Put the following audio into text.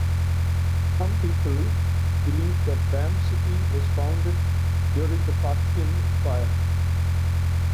Some people believe that Bam city was founded during the Parthian Empire.